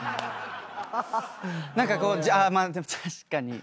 何かこうまあでも確かに。